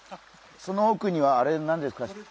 そのおくにはあれ何ですか？